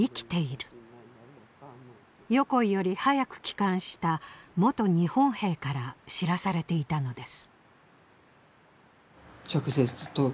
横井より早く帰還した元日本兵から知らされていたのです。